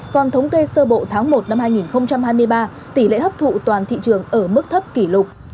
còn thống kê sơ bộ tháng một năm hai nghìn hai mươi ba tỷ lệ hấp thụ toàn thị trường ở mức thấp kỷ lục